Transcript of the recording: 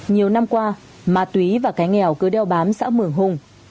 nhiều năm qua ma túy và cái nghèo cứ đeo bám xã mường hùng